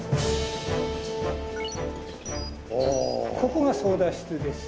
ここが操舵室です。